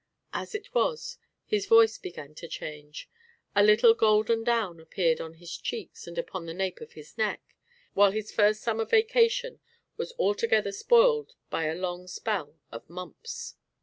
As it was, his voice began to change, a little golden down appeared on his cheeks and upon the nape of his neck, while his first summer vacation was altogether spoiled by a long spell of mumps.